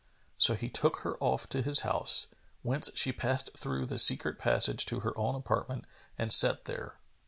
So he took her off to his house, whence she passed through the secret passage to her own apartment and sat there.